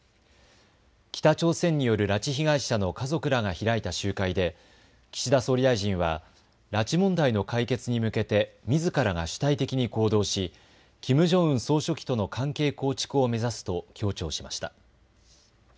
北朝鮮による拉致被害者の家族らが開いた集会で岸田総理大臣は拉致問題の解決に向けてみずからが主体的に行動しキム・ジョンウン総書記との関係構築を目指すと強調しました。